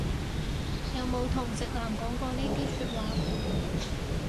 有冇同直男講過呢啲説話